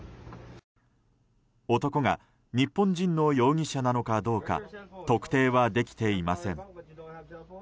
男が日本人の容疑者なのかどうか特定はできていません。